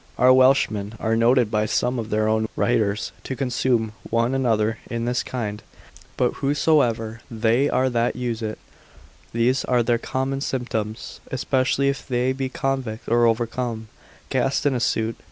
Our Welshmen are noted by some of their own writers, to consume one another in this kind; but whosoever they are that use it, these are their common symptoms, especially if they be convict or overcome, cast in a suit.